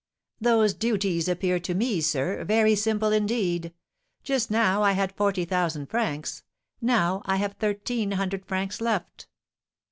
"Those duties appear to me, sir, very simple indeed; just now I had forty thousand francs, now I have thirteen hundred francs left."